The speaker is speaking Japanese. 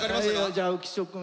じゃあ浮所君。